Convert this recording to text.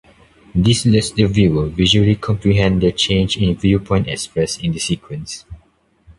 This lets the viewer visually comprehend the change in viewpoint expressed in the sequence.